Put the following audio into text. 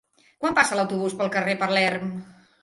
Quan passa l'autobús pel carrer Palerm?